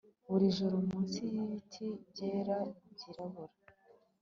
buri joro munsi y'ibiti byera byirabura